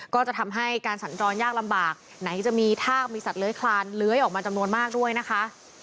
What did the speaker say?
ก็จะทำให้การสัญจรยากลำบากไหนจะมีทากมีสัตว์เลื้อยคลานเลื้อยออกมาจำนวนมากด้วยนะคะ